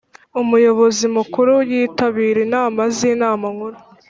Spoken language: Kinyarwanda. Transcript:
Umuyobozi Mukuru yitabira inama z’Inama Nkuru